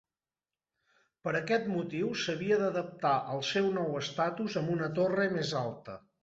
Per aquest motiu s'havia d'adaptar al seu nou estatus amb una torre més alta.